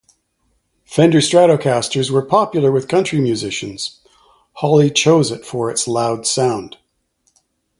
Fender Stratocasters were popular with country musicians; Holly chose it for its loud sound.